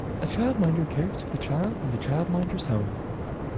A childminder cares for the child in the childminder's home.